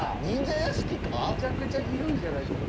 めちゃくちゃ広いんじゃない？